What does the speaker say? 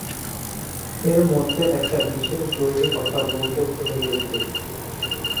এর মধ্যে একটা বিশেষ জরুরি কথা বলতে ভুলে গেছি।